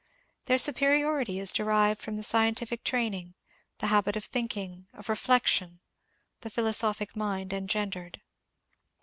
Their superiority is derived from the scientific training, the habit of thinking, of reflection, — the philosophic mind en gendered.